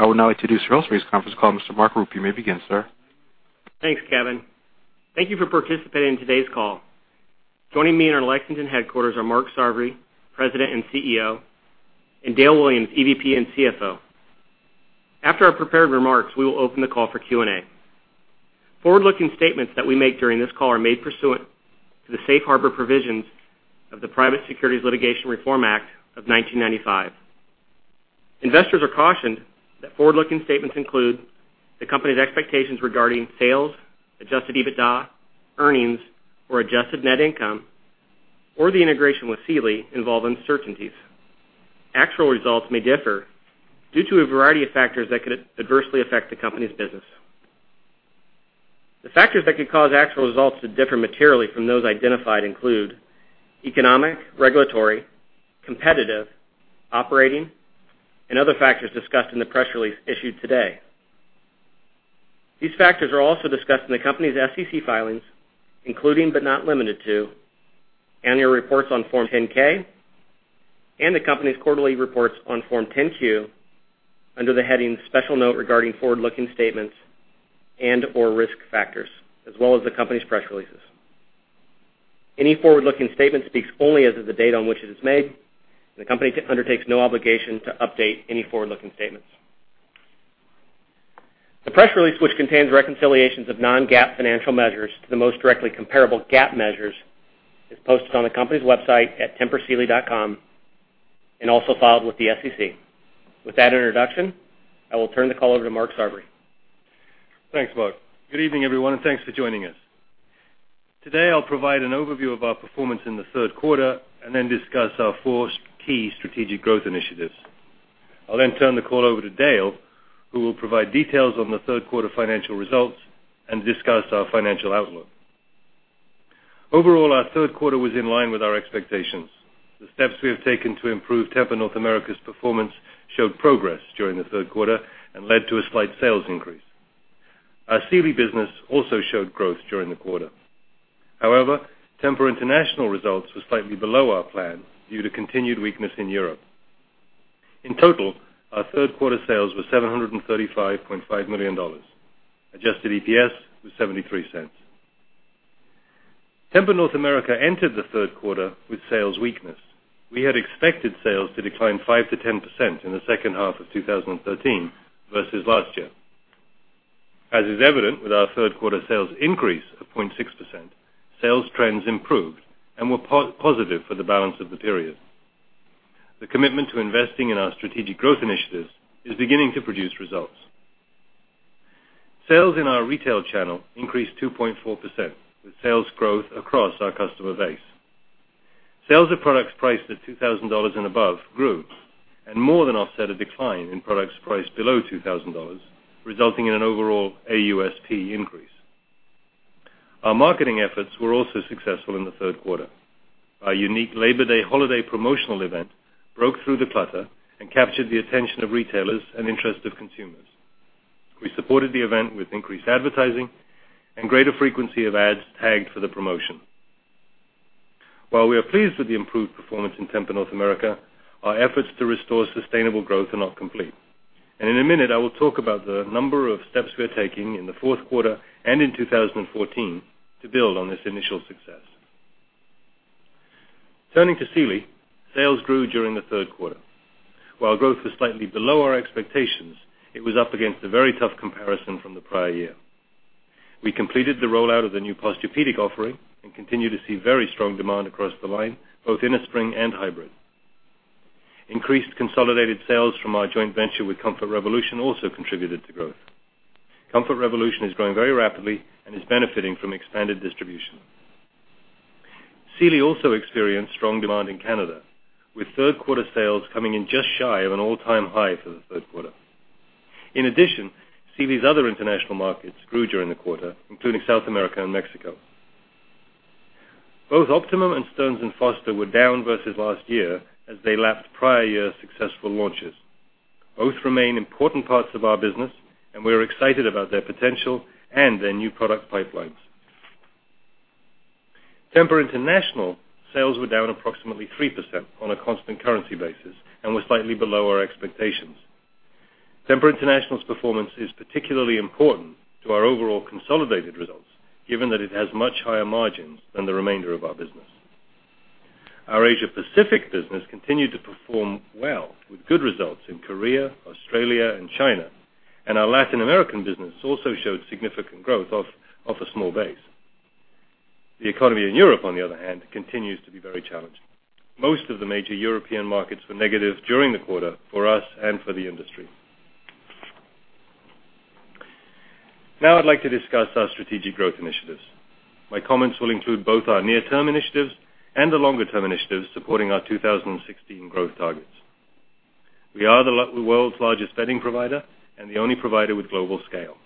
I will now introduce [inaudible] Press Conference Call. Mr. Mark Rupe, you may begin, sir. Thanks, Kevin. Thank you for participating in today's call. Joining me in our Lexington headquarters are Mark Sarvary, President and CEO, and Dale Williams, EVP and CFO. After our prepared remarks, we will open the call for Q&A. Forward-looking statements that we make during this call are made pursuant to the safe harbor provisions of the Private Securities Litigation Reform Act of 1995. Investors are cautioned that forward-looking statements include the company's expectations regarding sales, adjusted EBITDA, earnings or adjusted net income, or the integration with Sealy involve uncertainties. Actual results may differ due to a variety of factors that could adversely affect the company's business. The factors that could cause actual results to differ materially from those identified include economic, regulatory, competitive, operating, and other factors discussed in the press release issued today. These factors are also discussed in the company's SEC filings, including but not limited to annual reports on Form 10-K and the company's quarterly reports on Form 10-Q under the heading Special Note regarding forward-looking statements and/or risk factors, as well as the company's press releases. Any forward-looking statement speaks only as of the date on which it is made, and the company undertakes no obligation to update any forward-looking statements. The press release, which contains reconciliations of non-GAAP financial measures to the most directly comparable GAAP measures, is posted on the company's website at tempursealy.com and also filed with the SEC. With that introduction, I will turn the call over to Mark Sarvary. Thanks, Mark. Good evening, everyone, and thanks for joining us. Today, I'll provide an overview of our performance in the third quarter and then discuss our four key strategic growth initiatives. I'll then turn the call over to Dale, who will provide details on the third quarter financial results and discuss our financial outlook. Overall, our third quarter was in line with our expectations. The steps we have taken to improve Tempur North America's performance showed progress during the third quarter and led to a slight sales increase. Our Sealy business also showed growth during the quarter. However, Tempur International results were slightly below our plan due to continued weakness in Europe. In total, our third quarter sales were $735.5 million. Adjusted EPS was $0.73. Tempur North America entered the third quarter with sales weakness. We had expected sales to decline 5%-10% in the second half of 2013 versus last year. As is evident with our third quarter sales increase of 0.6%, sales trends improved and were positive for the balance of the period. The commitment to investing in our strategic growth initiatives is beginning to produce results. Sales in our retail channel increased 2.4% with sales growth across our customer base. Sales of products priced at $2,000 and above grew and more than offset a decline in products priced below $2,000, resulting in an overall AUSP increase. Our marketing efforts were also successful in the third quarter. Our unique Labor Day holiday promotional event broke through the clutter and captured the attention of retailers and interested consumers. We supported the event with increased advertising and greater frequency of ads tagged for the promotion. While we are pleased with the improved performance in Tempur North America, our efforts to restore sustainable growth are not complete. In a minute, I will talk about the number of steps we are taking in the fourth quarter and in 2014 to build on this initial success. Turning to Sealy, sales grew during the third quarter. While growth was slightly below our expectations, it was up against a very tough comparison from the prior year. We completed the rollout of the new Posturepedic offering and continue to see very strong demand across the line, both in a spring and hybrid. Increased consolidated sales from our joint venture with Comfort Revolution also contributed to growth. Comfort Revolution is growing very rapidly and is benefiting from expanded distribution. Sealy also experienced strong demand in Canada, with third-quarter sales coming in just shy of an all-time high for the third quarter. In addition, Sealy's other international markets grew during the quarter, including South America and Mexico. Both Optimum and Stearns & Foster were down versus last year as they lapped prior year's successful launches. Both remain important parts of our business, and we are excited about their potential and their new product pipelines. Tempur International sales were down approximately 3% on a constant currency basis and were slightly below our expectations. Tempur International's performance is particularly important to our overall consolidated results, given that it has much higher margins than the remainder of our business. Our Asia Pacific business continued to perform well with good results in Korea, Australia, and China. Our Latin American business also showed significant growth off a small base. The economy in Europe, on the other hand, continues to be very challenging. Most of the major European markets were negative during the quarter for us and for the industry. Now I'd like to discuss our strategic growth initiatives. My comments will include both our near-term initiatives and the longer-term initiatives supporting our 2016 growth targets. We are the world's largest bedding provider and the only provider with global scale.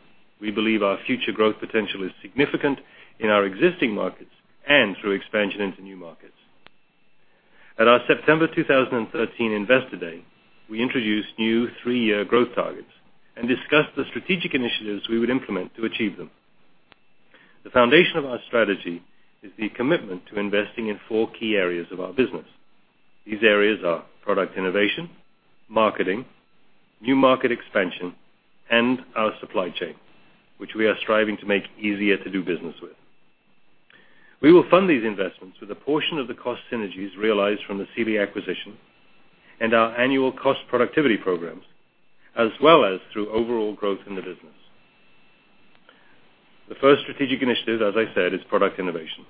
We believe our future growth potential is significant in our existing markets and through expansion into new markets. At our September 2013 Investor Day, we introduced new three-year growth targets and discussed the strategic initiatives we would implement to achieve them. The foundation of our strategy is the commitment to investing in four key areas of our business. These areas are product innovation, marketing, new market expansion, and our supply chain, which we are striving to make easier to do business with. We will fund these investments with a portion of the cost synergies realized from the Sealy acquisition and our annual cost productivity programs, as well as through overall growth in the business. The first strategic initiative, as I said, is product innovation.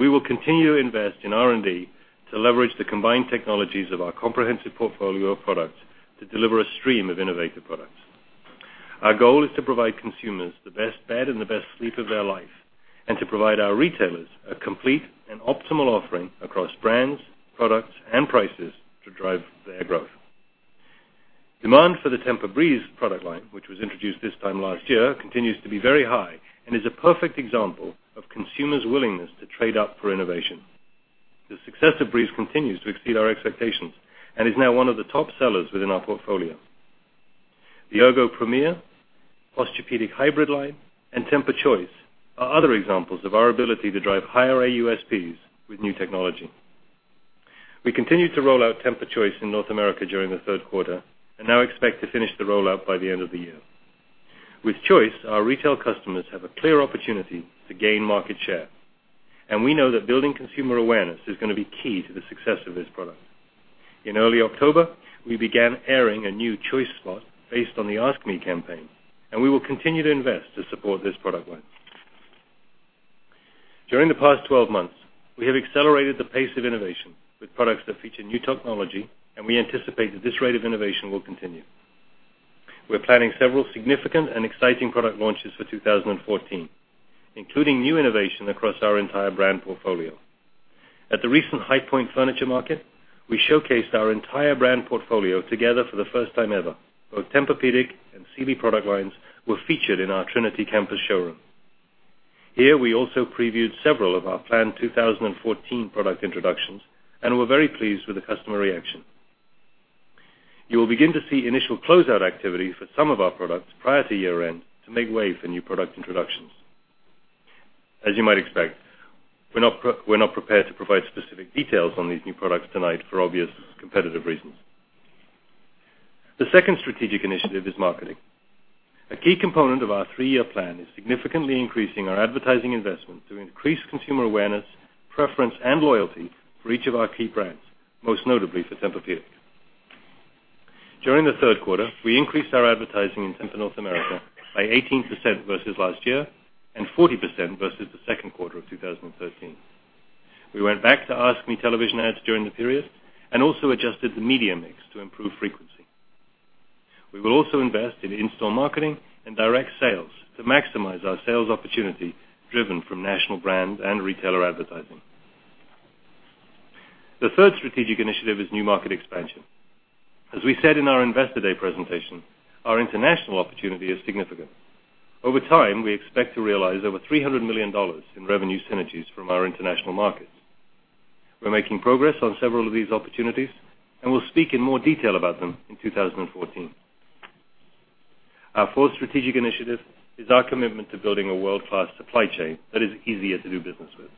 We will continue to invest in R&D to leverage the combined technologies of our comprehensive portfolio of products to deliver a stream of innovative products. Our goal is to provide consumers the best bed and the best sleep of their life, and to provide our retailers a complete and optimal offering across brands, products, and prices to drive their growth. Demand for the TEMPUR-Breeze product line, which was introduced this time last year, continues to be very high and is a perfect example of consumers' willingness to trade up for innovation. The success of Breeze continues to exceed our expectations and is now one of the top sellers within our portfolio. The Ergo Premier, Posturepedic Hybrid line, and TEMPUR-Choice are other examples of our ability to drive higher AUSPs with new technology. We continue to roll out TEMPUR-Choice in North America during the third quarter and now expect to finish the rollout by the end of the year. With Choice, our retail customers have a clear opportunity to gain market share, we know that building consumer awareness is going to be key to the success of this product. In early October, we began airing a new Choice spot based on the Ask Me campaign, we will continue to invest to support this product line. During the past 12 months, we have accelerated the pace of innovation with products that feature new technology, we anticipate that this rate of innovation will continue. We're planning several significant and exciting product launches for 2014, including new innovation across our entire brand portfolio. At the recent High Point Furniture Market, we showcased our entire brand portfolio together for the first time ever. Both Tempur-Pedic and Sealy product lines were featured in our Trinity campus showroom. Here, we also previewed several of our planned 2014 product introductions, were very pleased with the customer reaction. You will begin to see initial closeout activity for some of our products prior to year-end to make way for new product introductions. As you might expect, we're not prepared to provide specific details on these new products tonight for obvious competitive reasons. The second strategic initiative is marketing. A key component of our three-year plan is significantly increasing our advertising investment to increase consumer awareness, preference, and loyalty for each of our key brands, most notably for Tempur-Pedic. During the third quarter, we increased our advertising in Tempur North America by 18% versus last year, 40% versus the second quarter of 2013. We went back to Ask Me television ads during the period, also adjusted the media mix to improve frequency. We will also invest in in-store marketing and direct sales to maximize our sales opportunity driven from national brand and retailer advertising. The third strategic initiative is new market expansion. As we said in our Investor Day presentation, our international opportunity is significant. Over time, we expect to realize over $300 million in revenue synergies from our international markets. We're making progress on several of these opportunities. We'll speak in more detail about them in 2014. Our fourth strategic initiative is our commitment to building a world-class supply chain that is easier to do business with.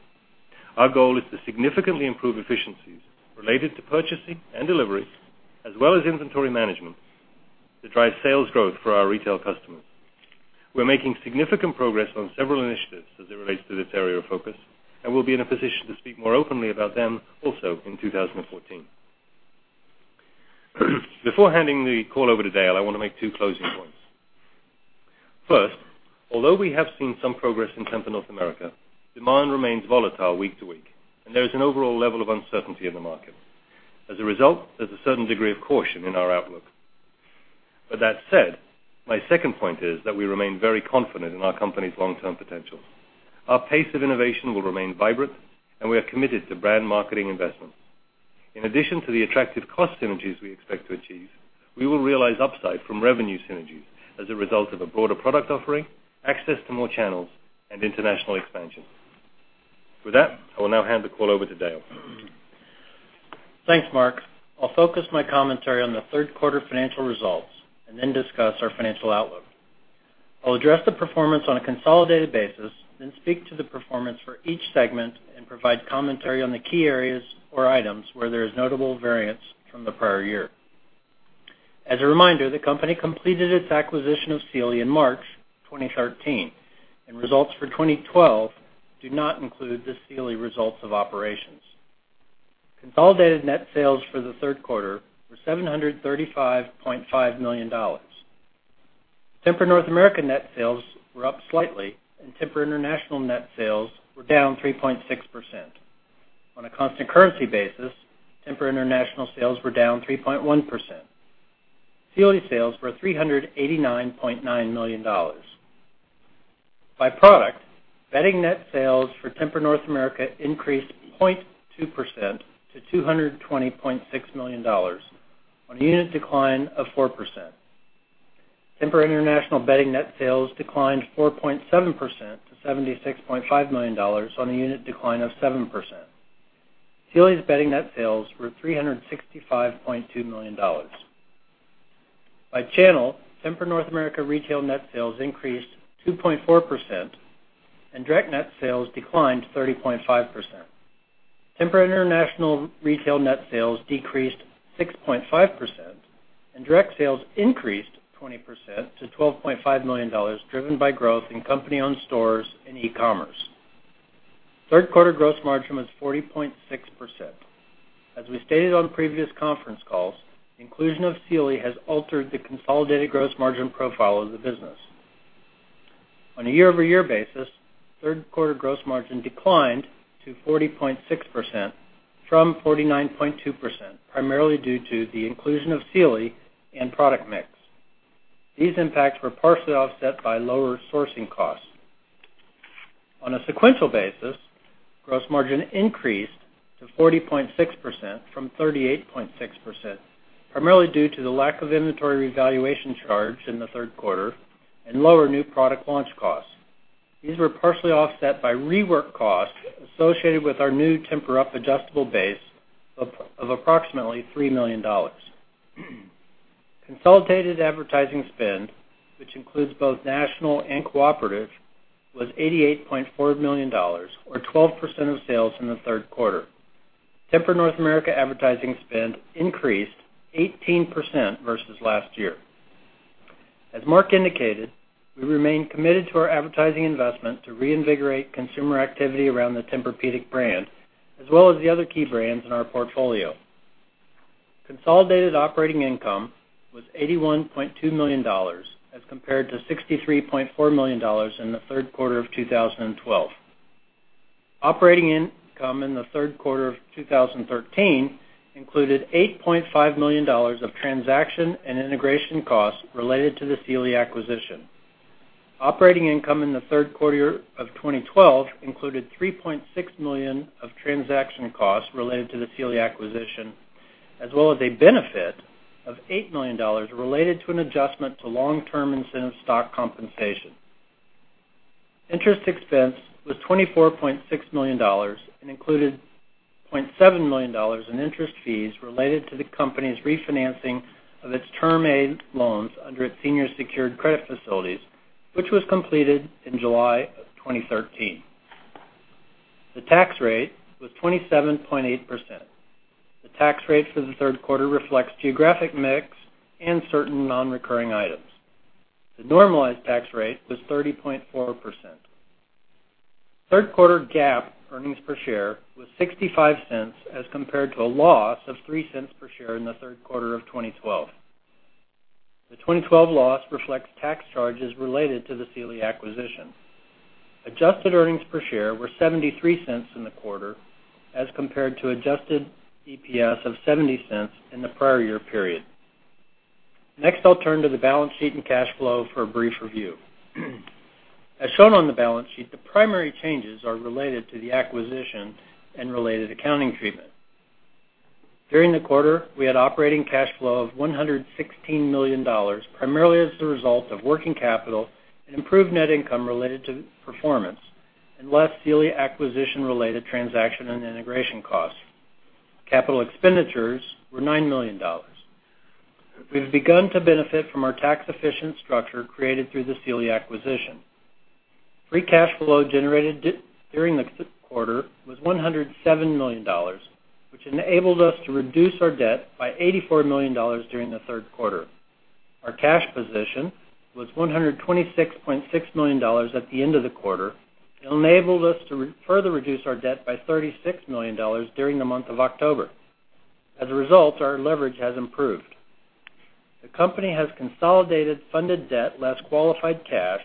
Our goal is to significantly improve efficiencies related to purchasing and delivery, as well as inventory management, to drive sales growth for our retail customers. We're making significant progress on several initiatives as it relates to this area of focus. We'll be in a position to speak more openly about them also in 2014. Before handing the call over to Dale, I want to make two closing points. First, although we have seen some progress in Tempur North America, demand remains volatile week to week. There is an overall level of uncertainty in the market. As a result, there's a certain degree of caution in our outlook. That said, my second point is that we remain very confident in our company's long-term potential. Our pace of innovation will remain vibrant. We are committed to brand marketing investments. In addition to the attractive cost synergies we expect to achieve, we will realize upside from revenue synergies as a result of a broader product offering, access to more channels, and international expansion. With that, I will now hand the call over to Dale. Thanks, Mark. I'll focus my commentary on the third quarter financial results. I'll discuss our financial outlook. I'll address the performance on a consolidated basis. I'll speak to the performance for each segment and provide commentary on the key areas or items where there is notable variance from the prior year. As a reminder, the company completed its acquisition of Sealy in March 2013. Results for 2012 do not include the Sealy results of operations. Consolidated net sales for the third quarter were $735.5 million. Tempur North America net sales were up slightly. Tempur International net sales were down 3.6%. On a constant currency basis, Tempur International sales were down 3.1%. Sealy sales were $389.9 million. By product, bedding net sales for Tempur North America increased 0.2% to $220.6 million on a unit decline of 4%. Tempur International bedding net sales declined 4.7% to $76.5 million on a unit decline of 7%. Sealy's bedding net sales were $365.2 million. By channel, Tempur North America retail net sales increased 2.4%. Direct net sales declined 30.5%. Tempur International retail net sales decreased 6.5%. Direct sales increased 20% to $12.5 million, driven by growth in company-owned stores and e-commerce. Third quarter gross margin was 40.6%. As we stated on previous conference calls, inclusion of Sealy has altered the consolidated gross margin profile of the business. On a year-over-year basis, third quarter gross margin declined to 40.6% from 49.2%, primarily due to the inclusion of Sealy and product mix. These impacts were partially offset by lower sourcing costs. On a sequential basis, gross margin increased to 40.6% from 38.6%, primarily due to the lack of inventory revaluation charge in the third quarter and lower new product launch costs. These were partially offset by rework costs associated with our new Tempur-Up adjustable base of approximately $3 million. Consolidated advertising spend, which includes both national and cooperative, was $88.4 million, or 12% of sales in the third quarter. Tempur North America advertising spend increased 18% versus last year. As Mark indicated, we remain committed to our advertising investment to reinvigorate consumer activity around the Tempur-Pedic brand, as well as the other key brands in our portfolio. Consolidated operating income was $81.2 million as compared to $63.4 million in the third quarter of 2012. Operating income in the third quarter of 2013 included $8.5 million of transaction and integration costs related to the Sealy acquisition. Operating income in the third quarter of 2012 included $3.6 million of transaction costs related to the Sealy acquisition, as well as a benefit of $8 million related to an adjustment to long-term incentive stock compensation. Interest expense was $24.6 million and included $0.7 million in interest fees related to the company's refinancing of its Term A loans under its senior secured credit facilities, which was completed in July of 2013. The tax rate was 27.8%. The tax rate for the third quarter reflects geographic mix and certain non-recurring items. The normalized tax rate was 30.4%. Third quarter GAAP earnings per share was $0.65 as compared to a loss of $0.03 per share in the third quarter of 2012. The 2012 loss reflects tax charges related to the Sealy acquisition. Adjusted earnings per share were $0.73 in the quarter, as compared to adjusted EPS of $0.70 in the prior year period. Next, I'll turn to the balance sheet and cash flow for a brief review. As shown on the balance sheet, the primary changes are related to the acquisition and related accounting treatment. During the quarter, we had operating cash flow of $116 million, primarily as the result of working capital and improved net income related to performance and less Sealy acquisition-related transaction and integration costs. Capital expenditures were $9 million. We've begun to benefit from our tax-efficient structure created through the Sealy acquisition. Free cash flow generated during the quarter was $107 million, which enabled us to reduce our debt by $84 million during the third quarter. Our cash position was $126.6 million at the end of the quarter. It enabled us to further reduce our debt by $36 million during the month of October. As a result, our leverage has improved. The company has consolidated funded debt, less qualified cash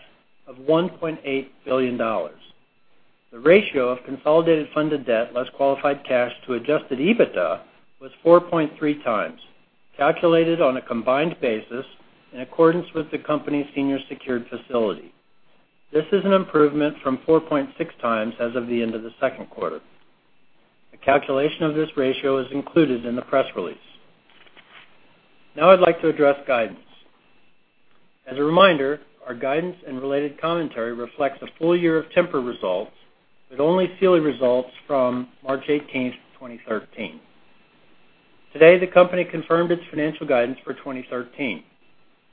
of $1.8 billion. The ratio of consolidated funded debt, less qualified cash to adjusted EBITDA, was 4.3 times, calculated on a combined basis in accordance with the company's senior secured facility. This is an improvement from 4.6 times as of the end of the second quarter. The calculation of this ratio is included in the press release. Now I'd like to address guidance. As a reminder, our guidance and related commentary reflects a full year of Tempur results, with only Sealy results from March 18th, 2013. Today, the company confirmed its financial guidance for 2013.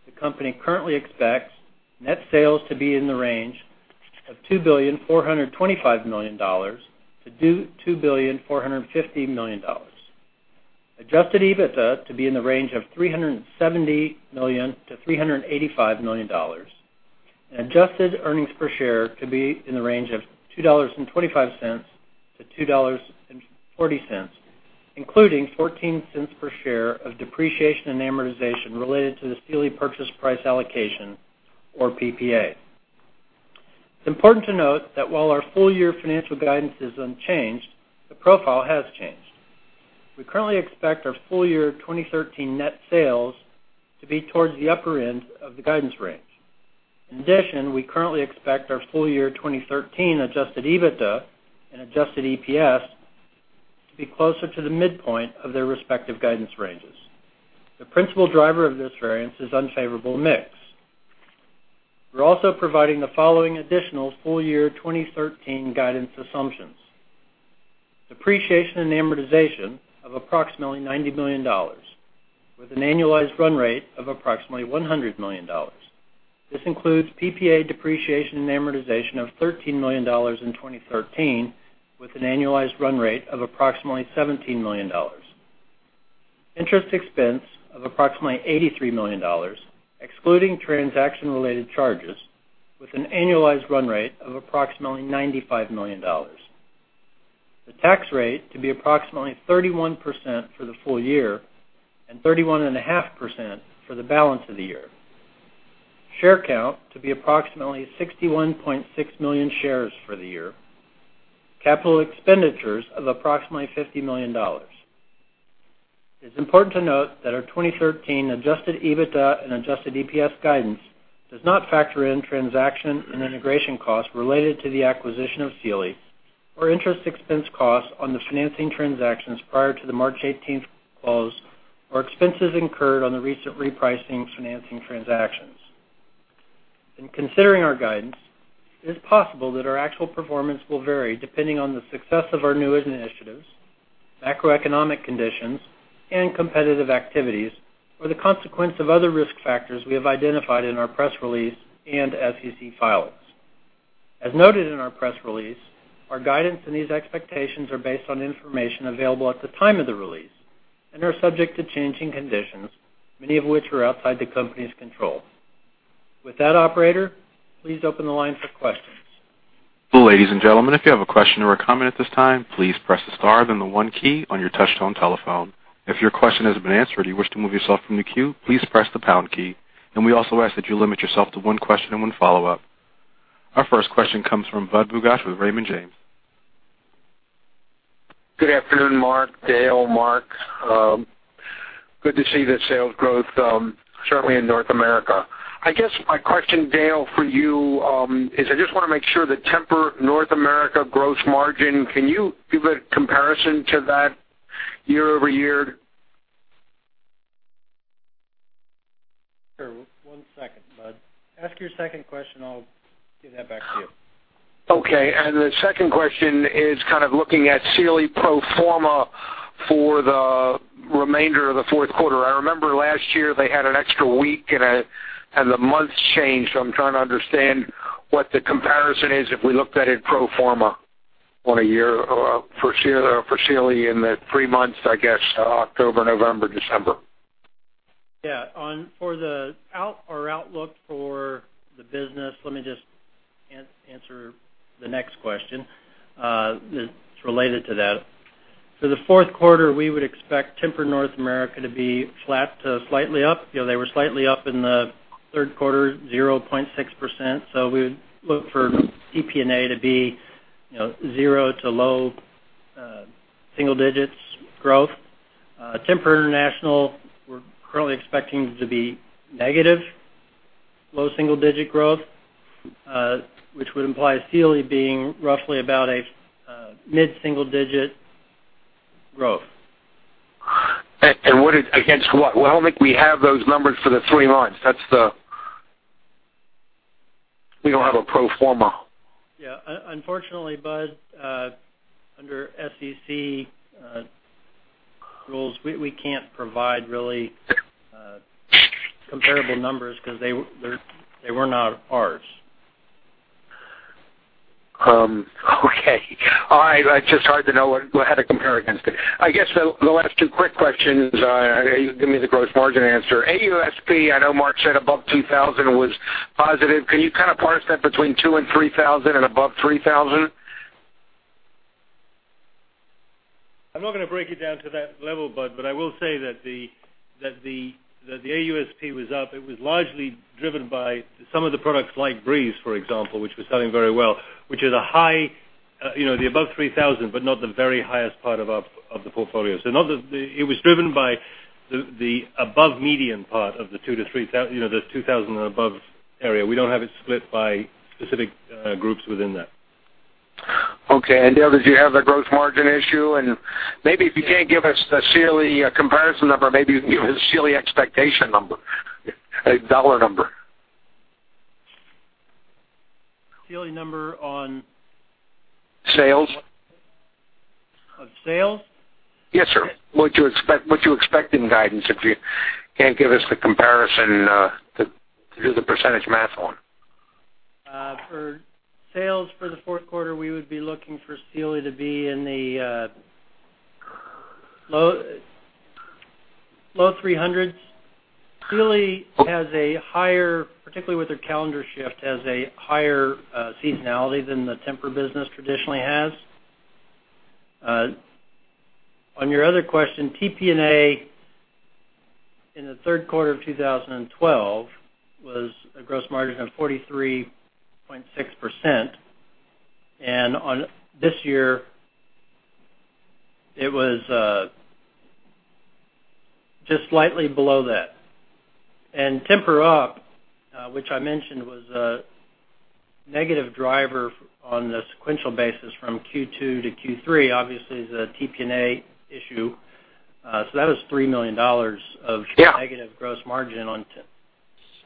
The company currently expects net sales to be in the range of $2.425 billion-$2.450 billion. Adjusted EBITDA to be in the range of $370 million-$385 million. Adjusted earnings per share to be in the range of $2.25-$2.40, including $0.14 per share of depreciation and amortization related to the Sealy purchase price allocation, or PPA. It's important to note that while our full-year financial guidance is unchanged, the profile has changed. We currently expect our full-year 2013 net sales to be towards the upper end of the guidance range. In addition, we currently expect our full-year 2013 adjusted EBITDA and adjusted EPS to be closer to the midpoint of their respective guidance ranges. The principal driver of this variance is unfavorable mix. We're also providing the following additional full-year 2013 guidance assumptions. Depreciation and amortization of approximately $90 million, with an annualized run rate of approximately $100 million. This includes PPA depreciation and amortization of $13 million in 2013, with an annualized run rate of approximately $17 million. Interest expense of approximately $83 million, excluding transaction-related charges, with an annualized run rate of approximately $95 million. The tax rate to be approximately 31% for the full year and 31.5% for the balance of the year. Share count to be approximately 61.6 million shares for the year. Capital expenditures of approximately $50 million. It's important to note that our 2013 adjusted EBITDA and adjusted EPS guidance does not factor in transaction and integration costs related to the acquisition of Sealy or interest expense costs on the financing transactions prior to the March 18th close, or expenses incurred on the recent repricing financing transactions. In considering our guidance, it is possible that our actual performance will vary depending on the success of our new initiatives, macroeconomic conditions, and competitive activities, or the consequence of other risk factors we have identified in our press release and SEC filings. As noted in our press release, our guidance and these expectations are based on information available at the time of the release and are subject to changing conditions, many of which are outside the company's control. With that, operator, please open the line for questions. Ladies and gentlemen, if you have a question or a comment at this time, please press the star then the one key on your touchtone telephone. If your question has been answered or you wish to move yourself from the queue, please press the pound key. We also ask that you limit yourself to one question and one follow-up. Our first question comes from Budd Bugatch with Raymond James. Good afternoon, Mark, Dale, Mark. Good to see the sales growth, certainly in North America. I guess my question, Dale, for you is, I just want to make sure that Tempur North America gross margin. Can you give a comparison to that year-over-year? Sure. One second, Bud. Ask your second question, I'll get that back to you. Okay. The second question is kind of looking at Sealy pro forma for the remainder of the fourth quarter. I remember last year they had an extra week and the months changed. I'm trying to understand what the comparison is if we looked at it pro forma for Sealy in the three months, I guess October, November, December. Yeah. For our outlook for the business, let me just answer the next question that's related to that. For the fourth quarter, we would expect Tempur North America to be flat to slightly up. They were slightly up in the third quarter, 0.6%. We would look for TPNA to be zero to low single digits growth. Tempur International, we're currently expecting to be negative, low single-digit growth, which would imply Sealy being roughly about a mid-single-digit growth. Against what? I don't think we have those numbers for the three months. We don't have a pro forma. Yeah. Unfortunately, Budd under SEC rules, we can't provide really comparable numbers because they were not ours. Okay. All right. It's just hard to know what to compare against it. I guess the last two quick questions, you can give me the gross margin answer. AUSP, I know Mark said above 2,000 was positive. Can you kind of parse that between 2,000 and 3,000 and above 3,000? I'm not going to break it down to that level, Budd, I will say that the AUSP was up. It was largely driven by some of the products like Breeze, for example, which was selling very well, which is the above 3,000, but not the very highest part of the portfolio. It was driven by the above median part of the 2,000 and above area. We don't have it split by specific groups within that. Okay. Dale, did you have the gross margin issue? Maybe if you can't give us the Sealy comparison number, maybe you can give us the Sealy expectation number, a dollar number. Sealy number. Sales Of sales? Yes, sir. What you expect in guidance, if you can't give us the comparison to do the % math on. For sales for the fourth quarter, we would be looking for Sealy to be in the low $300s. Sealy, particularly with their calendar shift, has a higher seasonality than the Tempur business traditionally has. On your other question, TPNA in the third quarter of 2012 was a gross margin of 43.6%, and on this year it was just slightly below that. Tempur-Up, which I mentioned Negative driver on the sequential basis from Q2 to Q3, obviously, is the TPNA issue. That was $3 million- Yeah of negative gross margin on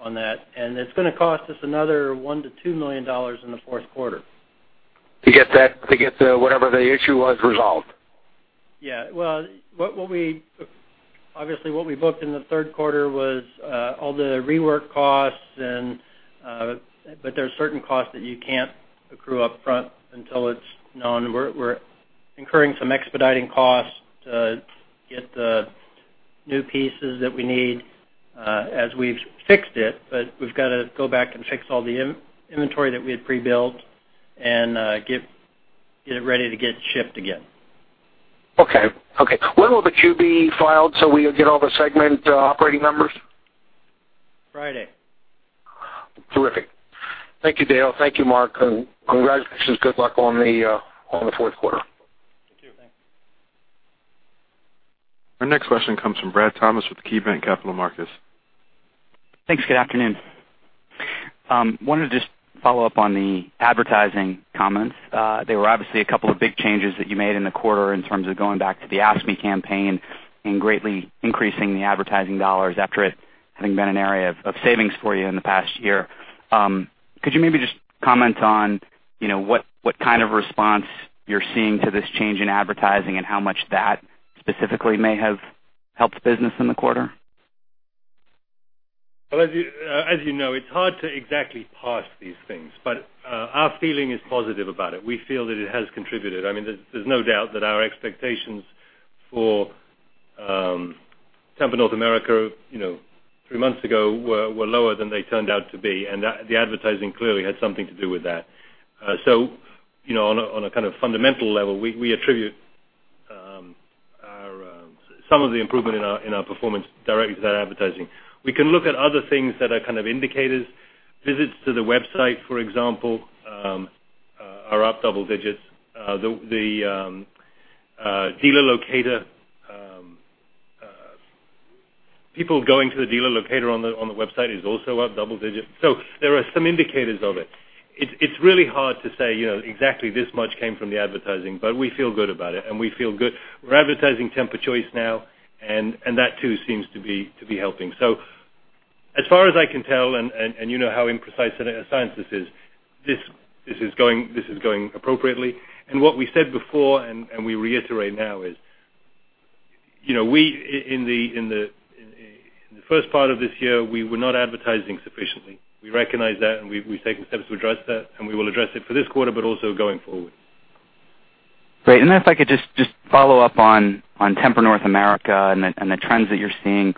that. It's going to cost us another $1 million-$2 million in the fourth quarter. To get whatever the issue was resolved? Yeah. Obviously, what we booked in the third quarter was all the rework costs, there's certain costs that you can't accrue upfront until it's known. We're incurring some expediting costs to get the new pieces that we need as we've fixed it. We've got to go back and fix all the inventory that we had pre-built and get it ready to get shipped again. Okay. When will the 10-Q filed so we'll get all the segment operating numbers? Friday. Terrific. Thank you, Dale. Thank you, Mark, and congratulations. Good luck on the fourth quarter. Thank you. Our next question comes from Brad Thomas with KeyBanc Capital Markets. Thanks. Good afternoon. Wanted to just follow up on the advertising comments. There were obviously a couple of big changes that you made in the quarter in terms of going back to the Ask Me campaign and greatly increasing the advertising dollars after it having been an area of savings for you in the past year. Could you maybe just comment on what kind of response you're seeing to this change in advertising and how much that specifically may have helped business in the quarter? Well, as you know, it's hard to exactly parse these things. Our feeling is positive about it. We feel that it has contributed. There's no doubt that our expectations for Tempur North America three months ago were lower than they turned out to be, the advertising clearly had something to do with that. On a fundamental level, we attribute some of the improvement in our performance directly to that advertising. We can look at other things that are indicators. Visits to the website, for example, are up double digits. People going to the dealer locator on the website is also up double digits. There are some indicators of it. It's really hard to say exactly this much came from the advertising, we feel good about it. We're advertising Tempur-Choice now, that too seems to be helping. As far as I can tell, and you know how imprecise a science this is, this is going appropriately. What we said before, and we reiterate now is, in the first part of this year, we were not advertising sufficiently. We recognize that, we've taken steps to address that, we will address it for this quarter, also going forward. Great. If I could just follow up on Tempur North America and the trends that you're seeing.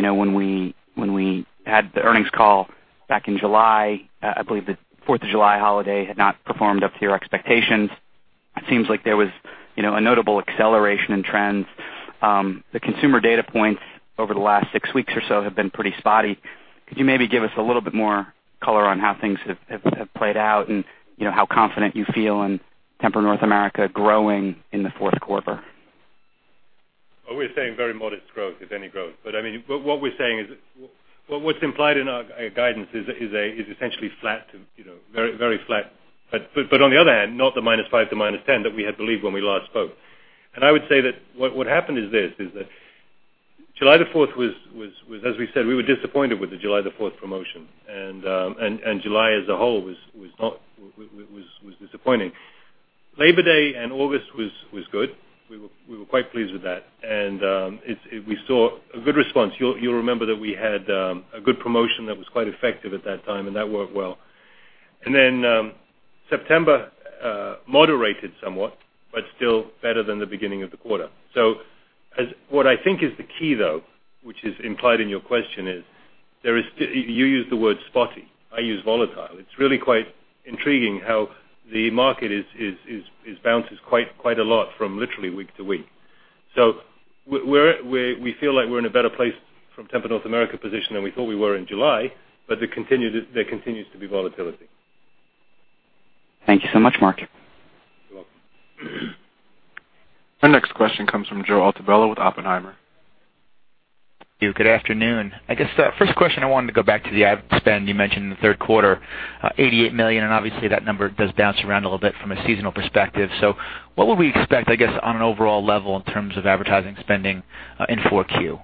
When we had the earnings call back in July, I believe the 4th of July holiday had not performed up to your expectations. It seems like there was a notable acceleration in trends. The consumer data points over the last six weeks or so have been pretty spotty. Could you maybe give us a little bit more color on how things have played out and how confident you feel in Tempur North America growing in the fourth quarter? We're saying very modest growth, if any growth. What's implied in our guidance is essentially flat to very flat. On the other hand, not the -5 to -10 that we had believed when we last spoke. I would say that what happened is this, is that July 4th was as we said, we were disappointed with the July 4th promotion, and July as a whole was disappointing. Labor Day and August was good. We were quite pleased with that, and we saw a good response. You'll remember that we had a good promotion that was quite effective at that time, and that worked well. Then September moderated somewhat, but still better than the beginning of the quarter. What I think is the key, though, which is implied in your question is, you used the word spotty. I use volatile. It's really quite intriguing how the market bounces quite a lot from literally week to week. We feel like we're in a better place from Tempur North America position than we thought we were in July, but there continues to be volatility. Thank you so much, Mark. You're welcome. Our next question comes from Joe Altobello with Oppenheimer. Good afternoon. I guess the first question I wanted to go back to the ad spend you mentioned in the third quarter, $88 million. Obviously, that number does bounce around a little bit from a seasonal perspective. What would we expect, I guess, on an overall level in terms of advertising spending in Q4?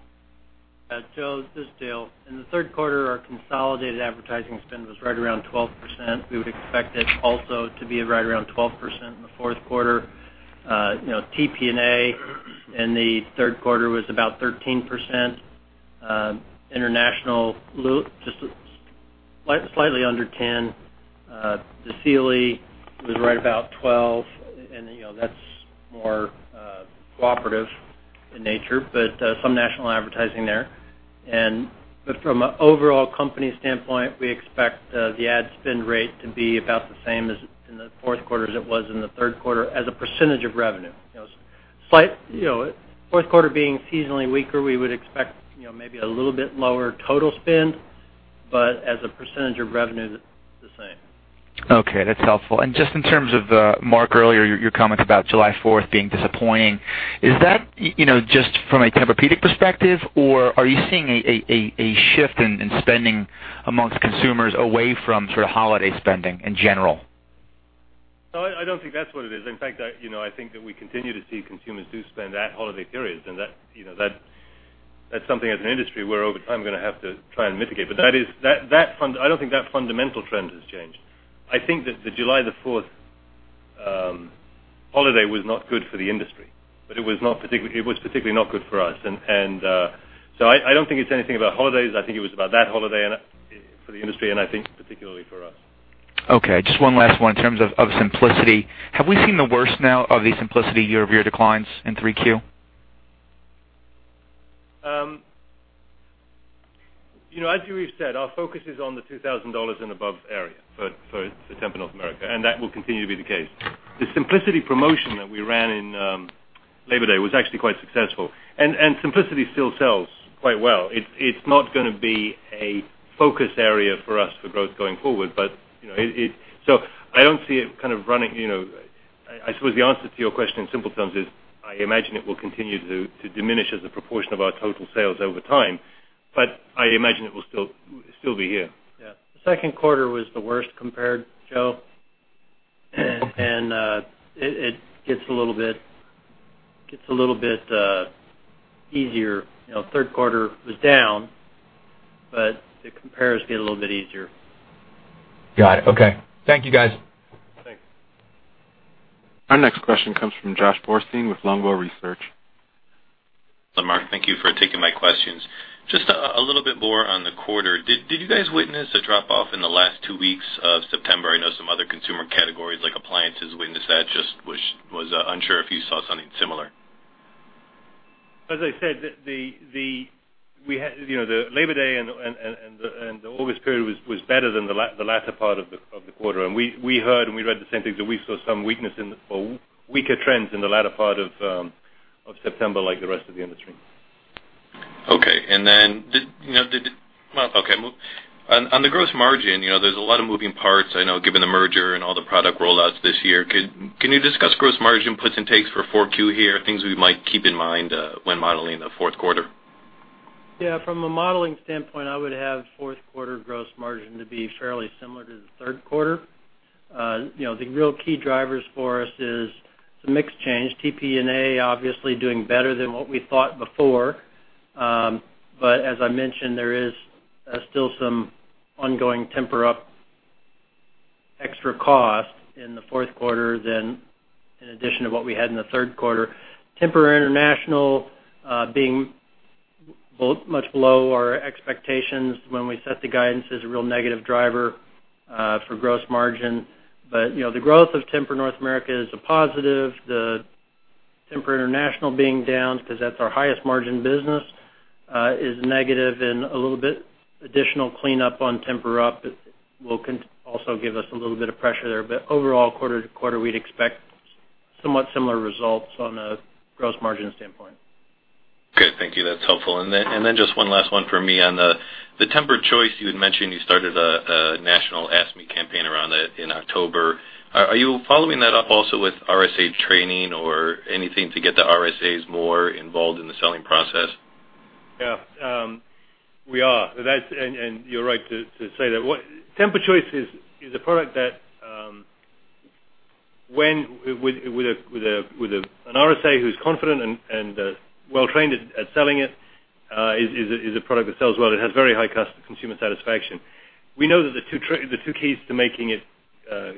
Joe, this is Dale. In the third quarter, our consolidated advertising spend was right around 12%. We would expect it also to be right around 12% in the fourth quarter. TPNA in the third quarter was about 13%. International, slightly under 10%. The Sealy was right about 12%. That's more cooperative in nature, but some national advertising there. From an overall company standpoint, we expect the ad spend rate to be about the same as in the fourth quarter as it was in the third quarter as a percentage of revenue. Fourth quarter being seasonally weaker, we would expect maybe a little bit lower total spend, but as a percentage of revenue, the same. Okay, that's helpful. Just in terms of, Mark, earlier, your comments about July 4th being disappointing, is that just from a Tempur-Pedic perspective, or are you seeing a shift in spending amongst consumers away from holiday spending in general? No, I don't think that's what it is. In fact, I think that we continue to see consumers do spend at holiday periods, and that's something as an industry where over time we're going to have to try and mitigate. I don't think that fundamental trend has changed. I think that the July the 4th holiday was not good for the industry, but it was particularly not good for us. I don't think it's anything about holidays. I think it was about that holiday for the industry, and I think particularly for us. Okay. Just one last one in terms of TEMPUR-Simplicity. Have we seen the worst now of the TEMPUR-Simplicity year-over-year declines in Q3? As we've said, our focus is on the $2,000 and above area for Tempur North America, and that will continue to be the case. The Simplicity promotion that we ran in Labor Day was actually quite successful, and Simplicity still sells quite well. It's not going to be a focus area for us for growth going forward. I suppose the answer to your question in simple terms is, I imagine it will continue to diminish as a proportion of our total sales over time. I imagine it will still be here. Yeah. The second quarter was the worst compared, Joe, and it gets a little bit easier. Third quarter was down, but the compares get a little bit easier. Got it. Okay. Thank you, guys. Thanks. Our next question comes from Josh Borstein with Longbow Research. Mark, thank you for taking my questions. Just a little bit more on the quarter. Did you guys witness a drop-off in the last two weeks of September? I know some other consumer categories like appliances witnessed that. Just was unsure if you saw something similar. As I said, the Labor Day and the August period was better than the latter part of the quarter. We heard and we read the same things, that we saw weaker trends in the latter part of September like the rest of the industry. Okay. On the gross margin, there's a lot of moving parts, I know, given the merger and all the product rollouts this year. Can you discuss gross margin puts and takes for Q4 here, things we might keep in mind when modeling the fourth quarter? Yeah. From a modeling standpoint, I would have fourth quarter gross margin to be fairly similar to the third quarter. The real key drivers for us is the mix change. TPNA obviously doing better than what we thought before. As I mentioned, there is still some ongoing Tempur-Up extra cost in the fourth quarter in addition to what we had in the third quarter. Tempur International being much below our expectations when we set the guidance is a real negative driver for gross margin. The growth of Tempur North America is a positive. The Tempur International being down, because that's our highest margin business, is negative and a little bit additional cleanup on Tempur-Up will also give us a little bit of pressure there. Overall, quarter to quarter, we'd expect somewhat similar results on a gross margin standpoint. Good. Thank you. That's helpful. Just one last one for me. On the TEMPUR-Choice, you had mentioned you started a national Ask Me campaign around that in October. Are you following that up also with RSA training or anything to get the RSAs more involved in the selling process? Yeah. We are. You're right to say that. TEMPUR-Choice is a product that with an RSA who's confident and well-trained at selling it, is a product that sells well. It has very high consumer satisfaction. We know that the two keys to making it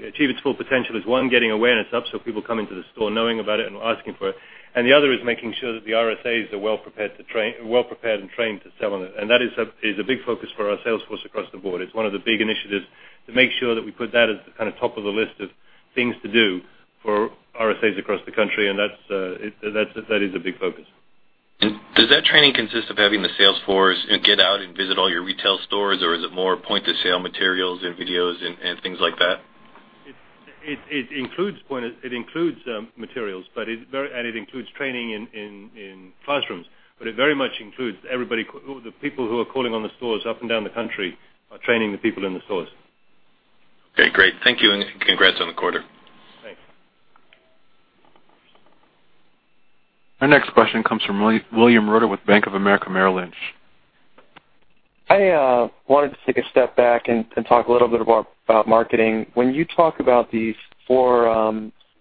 achieve its full potential is, one, getting awareness up so people come into the store knowing about it and asking for it, and the other is making sure that the RSAs are well-prepared and trained to sell on it. That is a big focus for our sales force across the board. It's one of the big initiatives to make sure that we put that as the top of the list of things to do for RSAs across the country, and that is a big focus. Does that training consist of having the sales force get out and visit all your retail stores, or is it more point-of-sale materials and videos and things like that? It includes materials and it includes training in classrooms. It very much includes everybody. The people who are calling on the stores up and down the country are training the people in the stores. Okay, great. Thank you. Congrats on the quarter. Thanks. Our next question comes from William Reuter with Bank of America Merrill Lynch. I wanted to take a step back and talk a little bit about marketing. When you talk about these four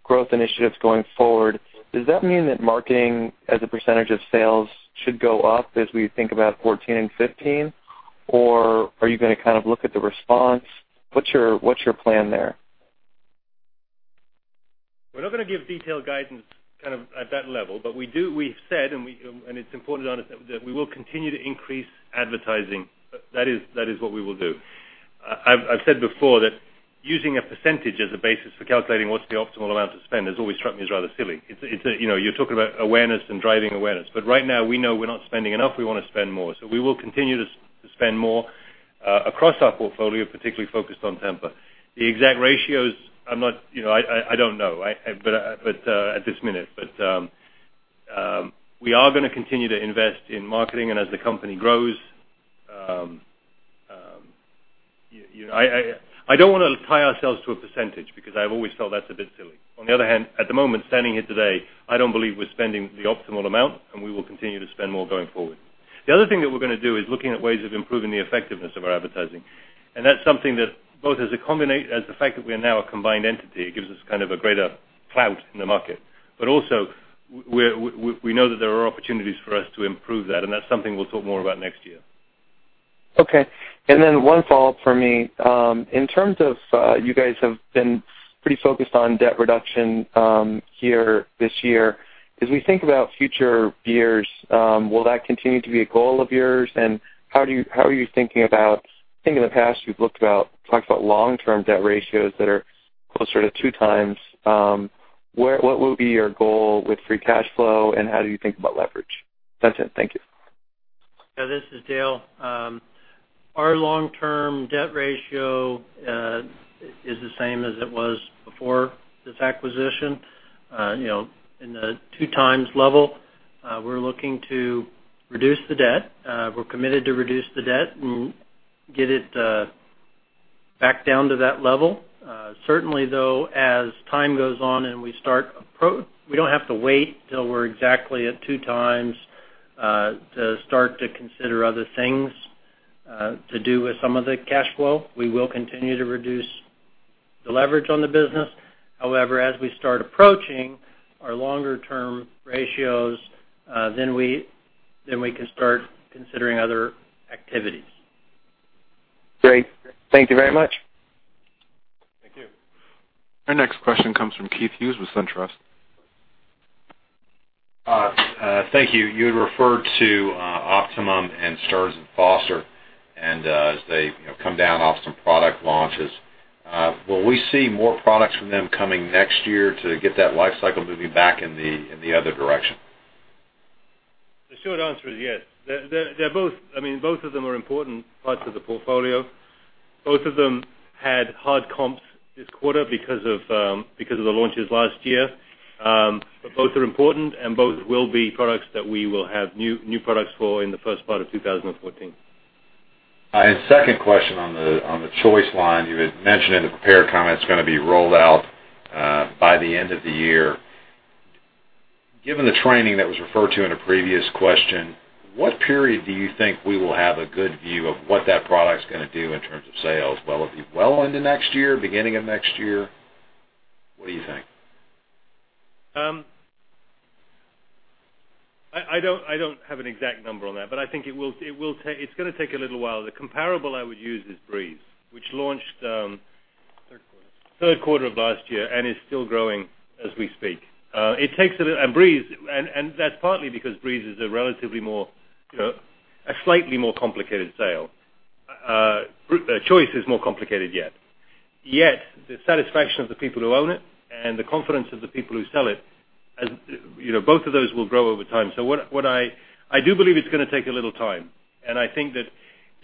growth initiatives going forward, does that mean that marketing as a percentage of sales should go up as we think about 2014 and 2015, or are you going to look at the response? What's your plan there? We're not going to give detailed guidance at that level. We've said, and it's important, that we will continue to increase advertising. That is what we will do. I've said before that using a percentage as a basis for calculating what's the optimal amount to spend has always struck me as rather silly. You're talking about awareness and driving awareness. Right now, we know we're not spending enough. We want to spend more. We will continue to spend more across our portfolio, particularly focused on Tempur. The exact ratios, I don't know at this minute. We are going to continue to invest in marketing and as the company grows. I don't want to tie ourselves to a percentage because I've always felt that's a bit silly. On the other hand, at the moment, standing here today, I don't believe we're spending the optimal amount, and we will continue to spend more going forward. The other thing that we're going to do is looking at ways of improving the effectiveness of our advertising. That's something that both as the fact that we are now a combined entity, it gives us kind of a greater clout in the market. Also, we know that there are opportunities for us to improve that, and that's something we'll talk more about next year. Okay. One follow-up from me. In terms of, you guys have been pretty focused on debt reduction here this year. As we think about future years, will that continue to be a goal of yours? How are you thinking about, I think in the past you've looked about, talked about long-term debt ratios that are closer to 2x. What will be your goal with free cash flow, and how do you think about leverage? That's it. Thank you. Yeah. This is Dale. Our long-term debt ratio is the same as it was before this acquisition. In the 2 times level, we're looking to reduce the debt. We're committed to reduce the debt and get it back down to that level. Certainly, though, as time goes on and We don't have to wait till we're exactly at two times to start to consider other things to do with some of the cash flow. We will continue to reduce the leverage on the business. However, as we start approaching our longer-term ratios, then we can start considering other activities. Great. Thank you very much. Thank you. Our next question comes from Keith Hughes with SunTrust. Thank you. You had referred to Optimum and Stearns & Foster and as they come down off some product launches. Will we see more products from them coming next year to get that life cycle moving back in the other direction? The short answer is yes. Both of them are important parts of the portfolio. Both of them had hard comps this quarter because of the launches last year. Both are important, and both will be products that we will have new products for in the first part of 2014. Second question on the Choice line. You had mentioned in the prepared comment it's going to be rolled out by the end of the year. Given the training that was referred to in a previous question, what period do you think we will have a good view of what that product's going to do in terms of sales? Will it be well into next year, beginning of next year? What do you think? I don't have an exact number on that, but I think it's going to take a little while. The comparable I would use is Breeze, which launched- Third quarter Third quarter of last year and is still growing as we speak. That's partly because Breeze is a relatively more, a slightly more complicated sale. Choice is more complicated yet. Yet, the satisfaction of the people who own it and the confidence of the people who sell it, both of those will grow over time. I do believe it's going to take a little time. I think that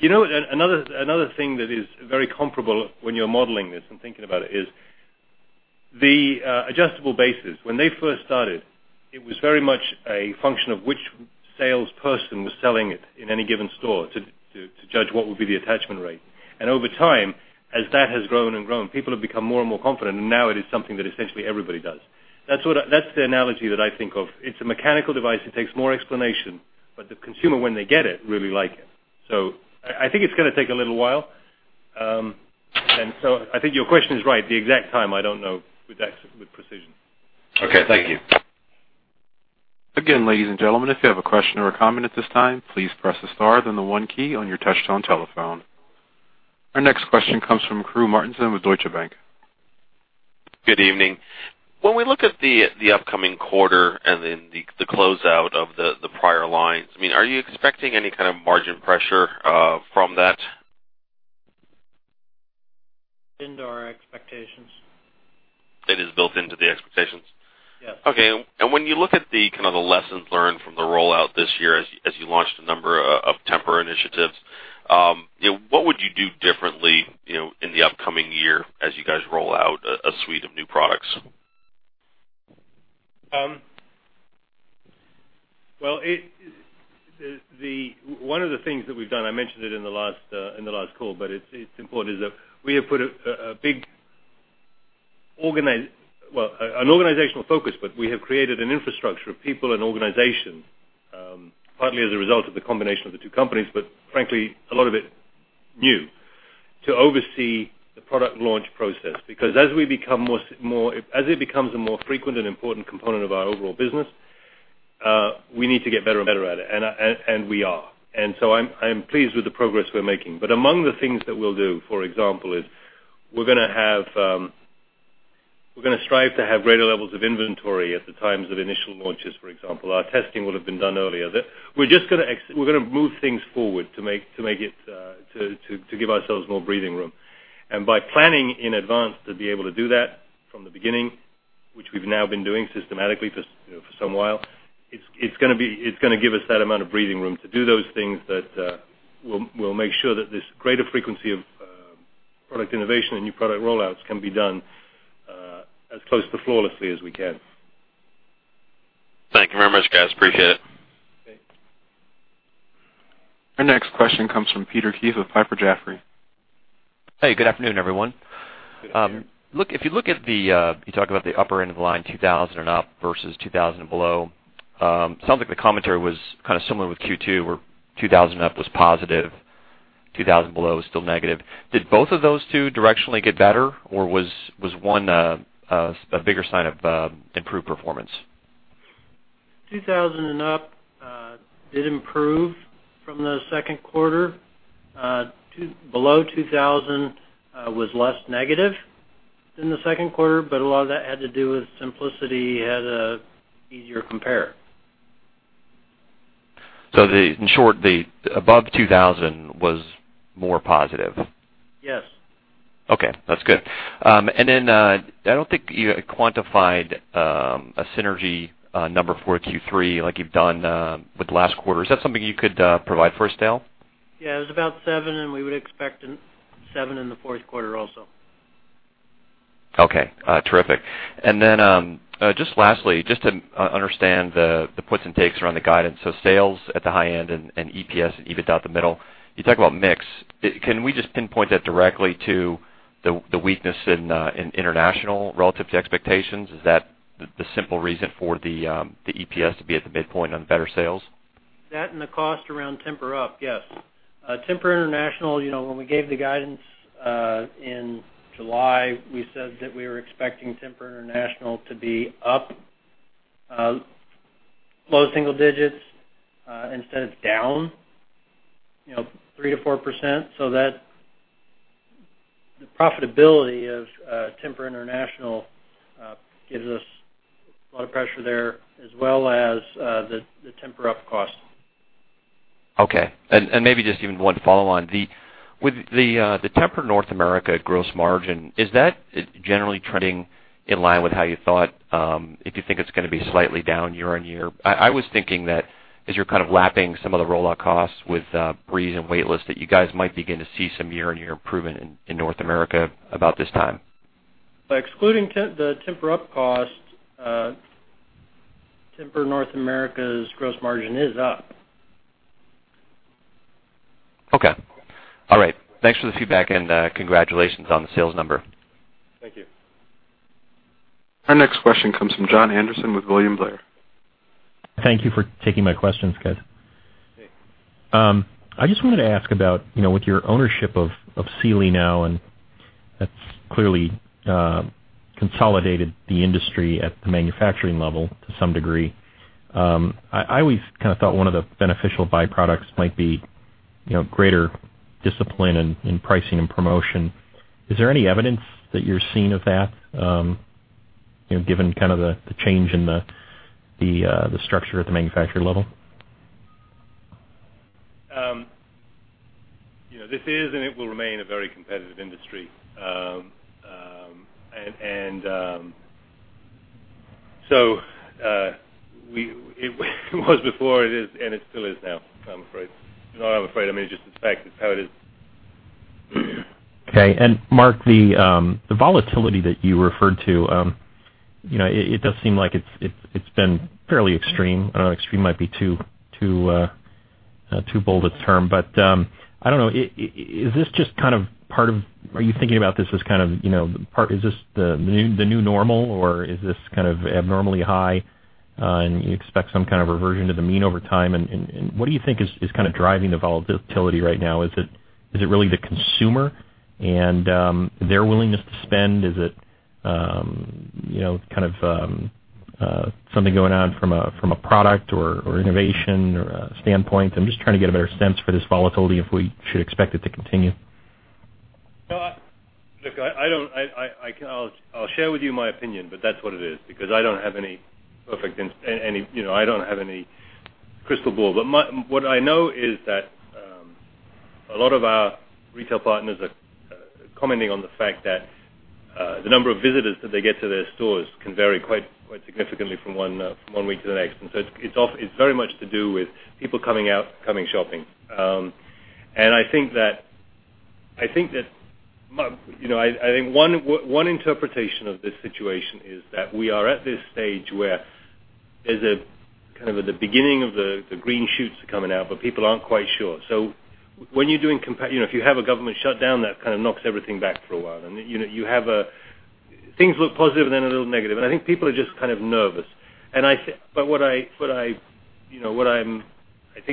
another thing that is very comparable when you're modeling this and thinking about it is the adjustable bases. When they first started, it was very much a function of which salesperson was selling it in any given store to judge what would be the attachment rate. Over time, as that has grown and grown, people have become more and more confident, and now it is something that essentially everybody does. That's the analogy that I think of. It's a mechanical device. It takes more explanation, but the consumer, when they get it, really like it. I think it's going to take a little while. I think your question is right. The exact time, I don't know with precision. Okay. Thank you. Again, ladies and gentlemen, if you have a question or a comment at this time, please press the star then the one key on your touch-tone telephone. Our next question comes from Carew Martinson with Deutsche Bank. Good evening. When we look at the upcoming quarter and then the closeout of the prior lines, are you expecting any kind of margin pressure from that? Into our expectations. It is built into the expectations. Yes. Okay. When you look at the lessons learned from the rollout this year as you launched a number of Tempur initiatives, what would you do differently in the upcoming year as you guys roll out a suite of new products? One of the things that we've done, I mentioned it in the last call, but it's important, is that we have put an organizational focus, but we have created an infrastructure of people and organization, partly as a result of the combination of the two companies, but frankly, a lot of it new, to oversee the product launch process. As it becomes a more frequent and important component of our overall business, we need to get better and better at it, and we are. I'm pleased with the progress we're making. Among the things that we'll do, for example, is we're going to strive to have greater levels of inventory at the times of initial launches, for example. Our testing would have been done earlier. We're going to move things forward to give ourselves more breathing room. By planning in advance to be able to do that from the beginning, which we've now been doing systematically for some while, it's going to give us that amount of breathing room to do those things that will make sure that this greater frequency of product innovation and new product rollouts can be done as close to flawlessly as we can. Thank you very much, guys. Appreciate it. Okay. Our next question comes from Peter Keith with Piper Jaffray. Hey, good afternoon, everyone. Good afternoon. If you talk about the upper end of the line, $2,000 and up versus $2,000 and below, it sounds like the commentary was kind of similar with Q2 where $2,000 and up was positive, $2,000 below was still negative. Did both of those two directionally get better, or was one a bigger sign of improved performance? 2,000 and up did improve from the second quarter. Below 2,000 was less negative than the second quarter, a lot of that had to do with TEMPUR-Simplicity had a easier compare. In short, the above 2,000 was more positive. Yes. That's good. Then, I don't think you quantified a synergy number for Q3 like you've done with last quarter. Is that something you could provide for us, Dale? Yeah, it was about seven. We would expect seven in the fourth quarter also. Okay. Terrific. Just lastly, just to understand the puts and takes around the guidance. Sales at the high end and EPS and EBIT at the middle, you talk about mix. Can we just pinpoint that directly to the weakness in International relative to expectations? Is that the simple reason for the EPS to be at the midpoint on better sales? That and the cost around Tempur-Up, yes. Tempur International, when we gave the guidance, in July, we said that we were expecting Tempur International to be up low single digits, instead it's down 3%-4%. The profitability of Tempur International gives us a lot of pressure there as well as the Tempur-Up cost. Okay. Maybe just even one follow on. With the Tempur North America gross margin, is that generally trending in line with how you thought, if you think it's going to be slightly down year-on-year? I was thinking that as you're kind of lapping some of the rollout costs with Breeze and Weightless, that you guys might begin to see some year-on-year improvement in North America about this time. By excluding the Tempur-Up cost, Tempur North America's gross margin is up. Okay. All right. Thanks for the feedback and congratulations on the sales number. Thank you. Our next question comes from John Anderson with William Blair. Thank you for taking my questions, guys. Hey. I just wanted to ask about, with your ownership of Sealy now, that's clearly consolidated the industry at the manufacturing level to some degree. I always kind of thought one of the beneficial byproducts might be greater discipline in pricing and promotion. Is there any evidence that you're seeing of that, given kind of the change in the structure at the manufacturer level? This is and it will remain a very competitive industry. So it was before it is, and it still is now, I'm afraid. I mean, just the fact it's how it is. Okay. Mark, the volatility that you referred to, it does seem like it's been fairly extreme. Extreme might be too bold a term, I don't know. Are you thinking about this as kind of, is this the new normal or is this kind of abnormally high and you expect some kind of reversion to the mean over time? What do you think is kind of driving the volatility right now? Is it really the consumer and their willingness to spend? Is it kind of something going on from a product or innovation standpoint? I'm just trying to get a better sense for this volatility if we should expect it to continue. Look, I'll share with you my opinion, but that's what it is because I don't have any crystal ball. What I know is that a lot of our retail partners are commenting on the fact that the number of visitors that they get to their stores can vary quite significantly from one week to the next. So it's very much to do with people coming out, coming shopping. I think one interpretation of this situation is that we are at this stage where there's a kind of at the beginning of the green shoots are coming out, but people aren't quite sure. If you have a government shutdown, that kind of knocks everything back for a while, and things look positive, then a little negative. I think people are just kind of nervous. I think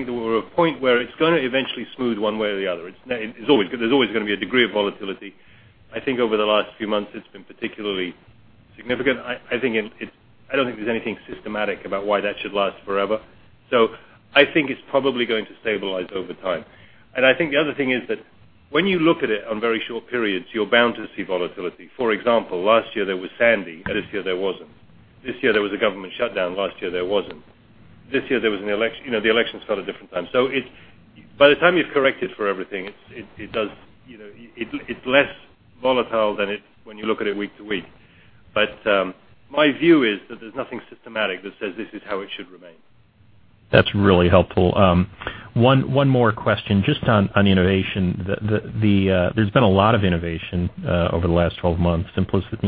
that we're at a point where it's going to eventually smooth one way or the other. There's always going to be a degree of volatility. I think over the last few months it's been particularly significant. I don't think there's anything systematic about why that should last forever. I think it's probably going to stabilize over time. I think the other thing is that when you look at it on very short periods, you're bound to see volatility. For example, last year there was Sandy, this year there wasn't. This year there was a government shutdown, last year there wasn't. This year the election's at a different time. By the time you've corrected for everything, it's less volatile than when you look at it week to week. My view is that there's nothing systematic that says this is how it should remain. That's really helpful. One more question just on innovation. There's been a lot of innovation over the last 12 months. 12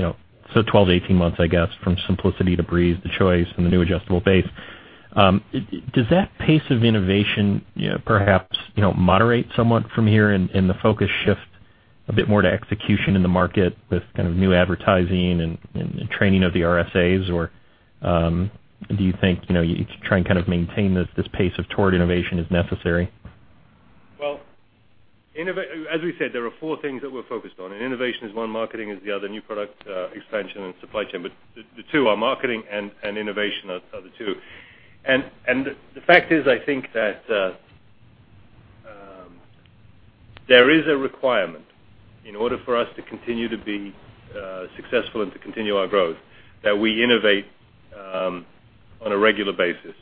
to 18 months, I guess, from TEMPUR-Simplicity to Breeze to Choice and the new adjustable base. Does that pace of innovation perhaps moderate somewhat from here and the focus shift a bit more to execution in the market with new advertising and training of the RSAs? Do you think you try and maintain this pace of toward innovation as necessary? As we said, there are four things that we're focused on. Innovation is one, marketing is the other, new product expansion, and supply chain. The two are marketing and innovation are the two. The fact is, I think that there is a requirement in order for us to continue to be successful and to continue our growth that we innovate on a regular basis.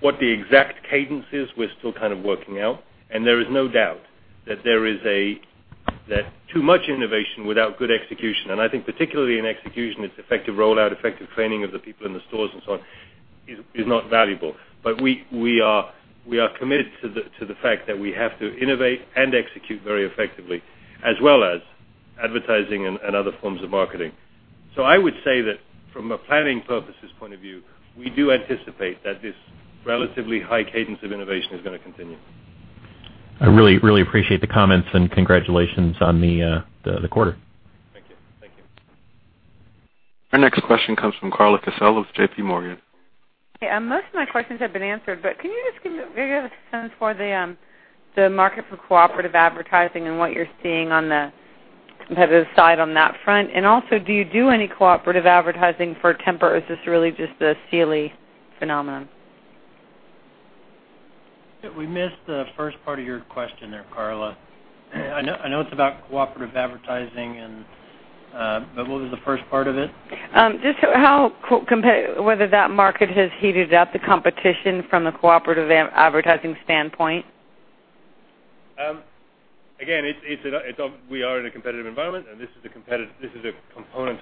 What the exact cadence is, we're still working out, and there is no doubt that too much innovation without good execution, and I think particularly in execution, it's effective rollout, effective training of the people in the stores and so on, is not valuable. We are committed to the fact that we have to innovate and execute very effectively as well as advertising and other forms of marketing. I would say that from a planning purposes point of view, we do anticipate that this relatively high cadence of innovation is going to continue. I really appreciate the comments and congratulations on the quarter. Thank you. Our next question comes from Carla Casella with JP Morgan. Yeah, most of my questions have been answered, but can you just give me a sense for the market for cooperative advertising and what you're seeing on the competitive side on that front? Also, do you do any cooperative advertising for Tempur, or is this really just a Sealy phenomenon? We missed the first part of your question there, Carla. I know it's about cooperative advertising. What was the first part of it? Just whether that market has heated up the competition from the cooperative advertising standpoint. We are in a competitive environment, and this is a component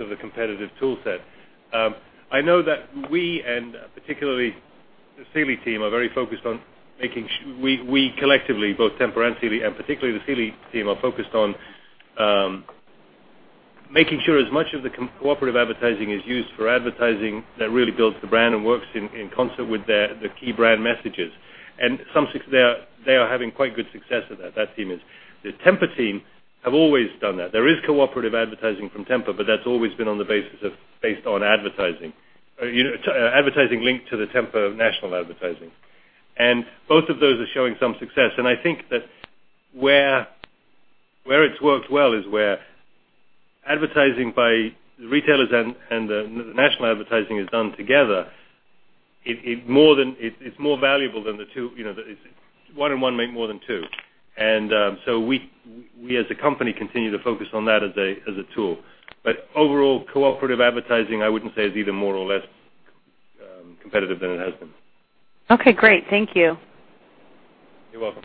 of the competitive tool set. I know that we and particularly the Sealy team are very focused on making sure as much of the cooperative advertising is used for advertising that really builds the brand and works in concert with the key brand messages. They are having quite good success with that team. The Tempur team have always done that. There is cooperative advertising from Tempur, but that's always been based on advertising linked to the Tempur national advertising. Both of those are showing some success. I think that where it's worked well is where advertising by retailers and the national advertising is done together. It's more valuable than one and one make more than two. We as a company continue to focus on that as a tool. Overall, cooperative advertising, I wouldn't say is either more or less competitive than it has been. Okay, great. Thank you. You're welcome.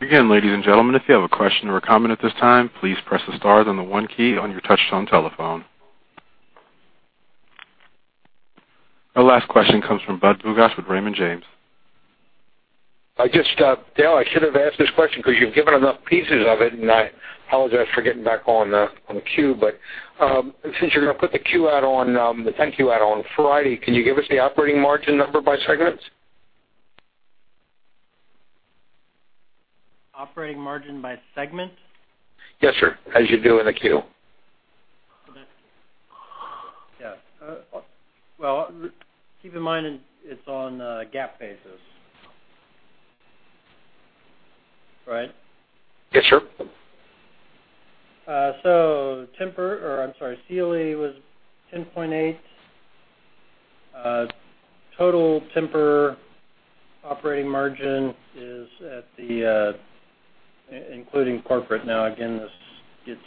Again, ladies and gentlemen, if you have a question or comment at this time, please press the star then the one key on your touchtone telephone. Our last question comes from Budd Bugatch with Raymond James. Dale, I should have asked this question because you've given enough pieces of it, and I apologize for getting back on the queue. Since you're going to put the 10-Q out on Friday, can you give us the operating margin number by segments? Operating margin by segment? Yes, sir. As you do in the Q. Yeah. Well, keep in mind it's on a GAAP basis. Right? Yes, sure. Sealy was 10.8%. Total Tempur operating margin is at the, including corporate. Again, this gets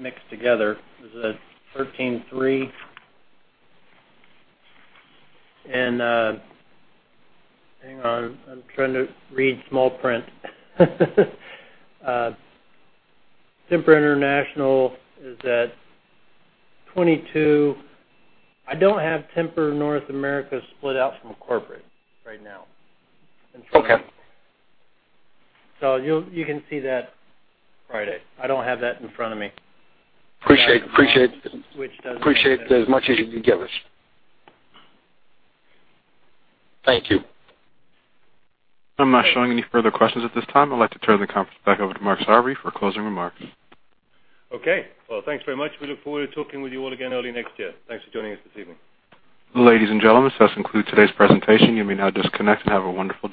mixed together. It's 13.3%. Hang on, I'm trying to read small print. Tempur International is at 22%. I don't have Tempur North America split out from corporate right now. Okay. You can see that Friday. I don't have that in front of me. Appreciate as much as you can give us. Thank you. I'm not showing any further questions at this time. I'd like to turn the conference back over to Mark Sarvary for closing remarks. Okay. Well, thanks very much. We look forward to talking with you all again early next year. Thanks for joining us this evening. Ladies and gentlemen, this does conclude today's presentation. You may now disconnect and have a wonderful day.